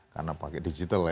karena pakai digital ya